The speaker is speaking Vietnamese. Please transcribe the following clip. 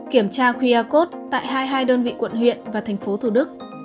kiểm tra qr code tại hai mươi hai đơn vị quận huyện và tp thủ đức